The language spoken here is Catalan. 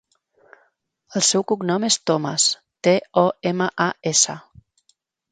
El seu cognom és Tomas: te, o, ema, a, essa.